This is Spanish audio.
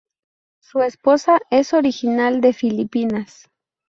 Su esposa es original de Filipinas.